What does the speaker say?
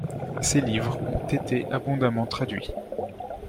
Ces livres ont été abondamment traduits.